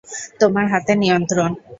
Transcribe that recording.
তোমার হাতে নিয়ন্ত্রণ।